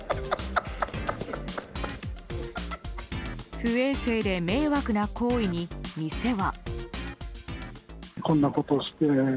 不衛生で迷惑な行為に店は。